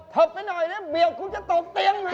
เตรียม